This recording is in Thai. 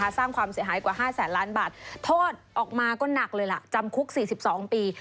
สร้างความเสียหายกว่า๕แสนล้านบาทโทษออกมาก็หนักเลยล่ะจำคุก๔๒ปี